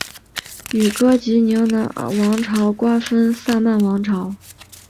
与哥疾宁王朝瓜分萨曼王朝。